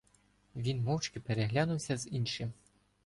Він мовчки переглянувся з іншим.